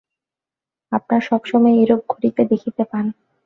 আপনারা সব সময়েই এইরূপ ঘটিতে দেখিতে পান।